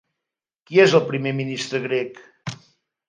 Qui és el primer ministre grec?